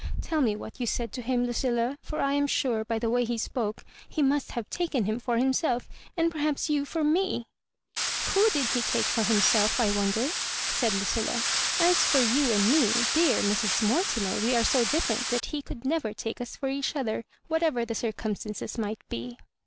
Tell me what you said to him, Lucilla ; for I am sure, by the way he spoke, he must have taken him for himself, and perhaps you for me." Digitized by VjOOQIC MISS MABJOBIBANES. 96 "Who did he take for himseH I wonder?" said Lucilla. " As for you and me, dear Mrs. Mortimer, we are so different that he could never take us for each other, whatever the curcum stances might be."